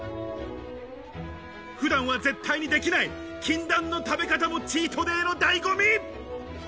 普段は絶対にできない禁断の食べ方もチートデイの醍醐味。